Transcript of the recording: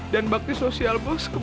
dan bakti sosial bos kebanyakan